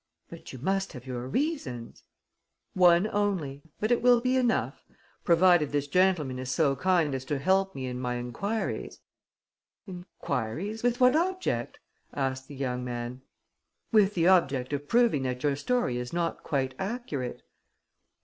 "But you must have your reasons?" "One only; but it will be enough, provided this gentleman is so kind as to help me in my enquiries." "Enquiries? With what object?" asked the young man. "With the object of proving that your story is not quite accurate."